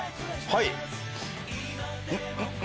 はい。